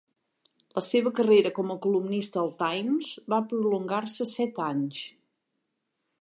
La seva carrera com a columnista al "Times" va prolongar-se set anys.